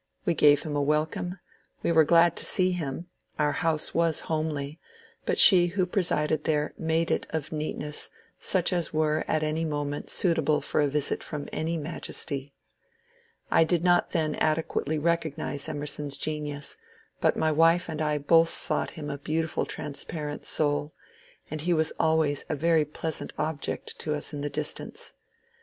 We gave him a welcome ; we were glad to see him ; our house was homely, but she who presided there made it of neatness such as were at any moment suitable for a visit from any majesty. I did not then adequately recognize Emerson's genius, but my wife and I both thought him a beautiful trans parent soul, and he was always a very pleasant object to us in the distance.